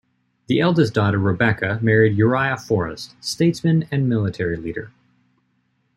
The eldest daughter, Rebecca married Uriah Forrest, statesman and military leader.